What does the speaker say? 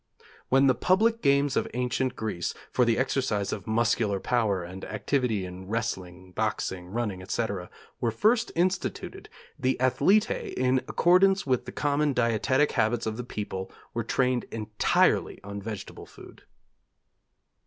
When the public games of Ancient Greece for the exercise of muscular power and activity in wrestling, boxing, running, etc., were first instituted, the athletæ in accordance with the common dietetic habits of the people, were trained entirely on vegetable food.'